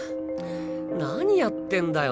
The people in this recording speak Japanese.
何やってんだよ